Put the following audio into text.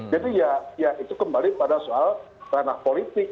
jadi ya itu kembali pada soal ranah politik